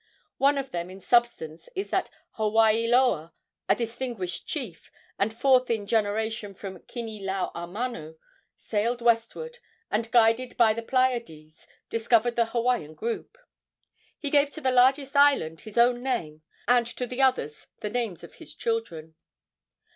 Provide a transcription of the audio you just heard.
One of them in substance is that Hawaii loa, a distinguished chief, and fourth in generation from Kini lau a mano, sailed westward, and, guided by the Pleiades, discovered the Hawaiian group. He gave to the largest island his own name, and to the others the names of his children.